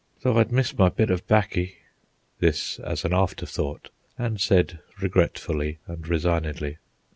Though I'd miss my bit of baccy"—this as an after thought, and said regretfully and resignedly.